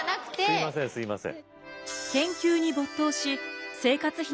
すみませんすみません。